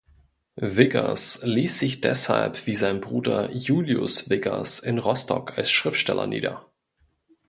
Wiggers ließ sich deshalb wie sein Bruder Julius Wiggers in Rostock als Schriftsteller nieder.